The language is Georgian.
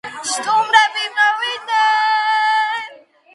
სტუმრები მოვიდნენ